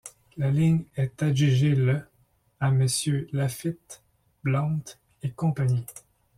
La ligne est adjugée le à Messieurs Laffitte, Blount et compagnie.